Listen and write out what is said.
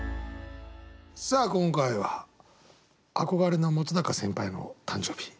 さあ今回は憧れの本先輩の誕生日。